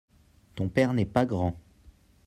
ton père n'est pa grand.